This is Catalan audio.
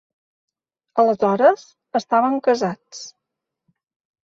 Aleshores, estaven casats.